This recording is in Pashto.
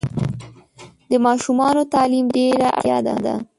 د ماشومانو تعلیم ډېره اړتیا ده.